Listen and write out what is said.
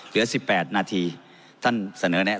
เหลือ๑๘นาทีท่านเสนอแน่